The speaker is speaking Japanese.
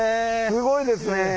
すごいですね。